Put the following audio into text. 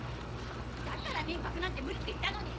だから民泊なんて無理って言ったのに！